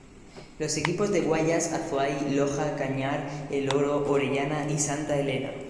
Los equipos de Guayas, Azuay, Loja, Cañar, El Oro, Orellana y Santa Elena.